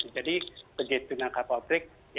jadi begitu menangkap outbreak